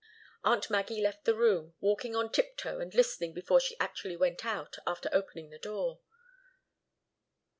Aunt Maggie left the room, walking on tiptoe and listening before she actually went out, after opening the door.